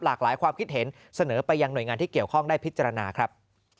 หลายความคิดเห็นเสนอไปยังหน่วยงานที่เกี่ยวข้องได้พิจารณาครับ